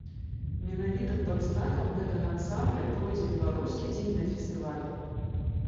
Менавіта пад знакам гэтага ансамбля пройдзе беларускі дзень на фестывалі.